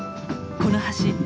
この橋